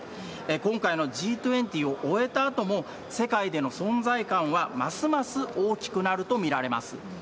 今回のＧ２０を終えたあとも、世界での存在感はますます大きくなると見られます。